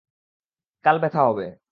কাল ব্যথা হবে।